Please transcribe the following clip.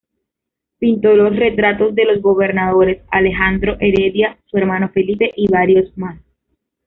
Pintó los retratos de los gobernadores Alejandro Heredia, su hermano Felipe, y varios más.